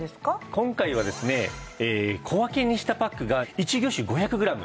今回はですね小分けにしたパックが１魚種５００グラム。